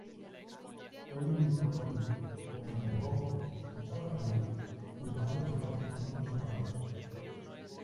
Sellos discográficos como Nervous estaban allí, firmando contratos con muchas bandas.